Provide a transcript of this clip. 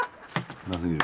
うますぎる。